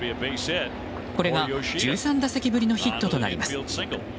これが１３打席ぶりのヒットとなります。